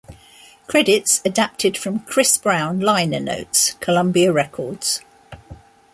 Credits adapted from "Chris Brown" liner notes, Columbia Records.